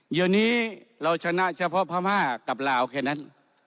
เยอะนี้เราชนะเฉพาะภาพห้ากับลาวแค่นั้น